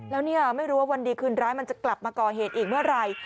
แล้วเนี่ยไม่รู้ว่าวันดีคืนร้ายมันจะกลับมาก่อเหตุอีกเมื่อไหร่